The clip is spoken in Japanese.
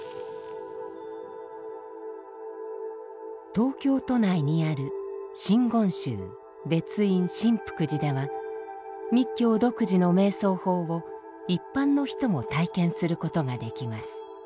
東京都内にある真言宗別院真福寺では密教独自の瞑想法を一般の人も体験することができます。